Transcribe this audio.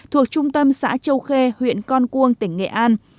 thuộc trung tâm xã châu khê huyện con cuông tỉnh nghệ an